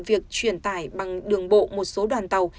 việc truyền tải bằng đường bộ một số đoàn tàu